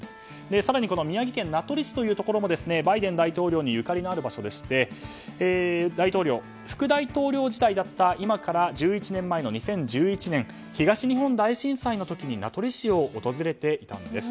更に宮城県名取市というところもバイデン大統領にゆかりのある場所でして大統領、副大統領時代だった今から１１年前の２０１１年東日本大震災の時に名取市を訪れていたんです。